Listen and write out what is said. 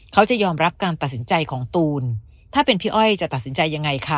เขาจะยอมรับการตัดสินใจของตูนถ้าเป็นพี่อ้อยจะตัดสินใจยังไงคะ